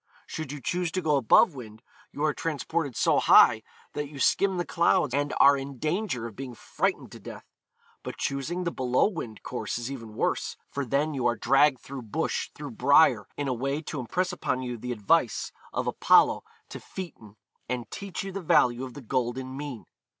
Should you choose to go above wind, you are transported so high that you skim the clouds and are in danger of being frightened to death. But choosing the below wind course is even worse, for then you are dragged through bush, through briar, in a way to impress upon you the advice of Apollo to Phaeton, and teach you the value of the golden mean.